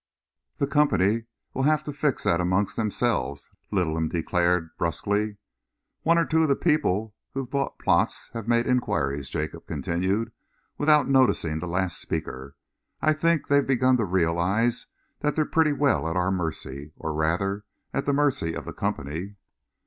"The Company'll have to fix that amongst themselves," Littleham declared brusquely. "One or two of the people who've bought plots have made enquiries," Jacob continued, without noticing the last speaker. "I think they've begun to realise that they're pretty well at our mercy or rather at the mercy of the Company."